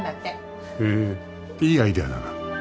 へえいいアイデアだな。